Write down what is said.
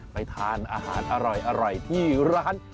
ไปทานอาหารอร่อยที่ร้าน